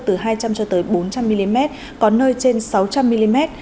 từ hai trăm linh cho tới bốn trăm linh mm có nơi trên sáu trăm linh mm